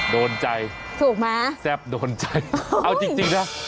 โดนใจแซ่บโดนใจถูกหรือเปล่าเอาจริงนะ